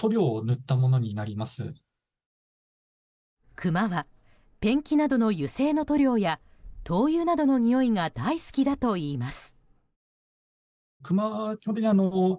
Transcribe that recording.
クマはペンキなどの油性の塗料や灯油などのにおいが大好きだといいます。